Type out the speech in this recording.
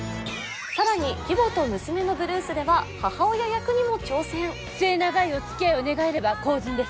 さらに「義母と娘のブルース」では母親役にも挑戦末永いおつきあいを願えれば幸甚です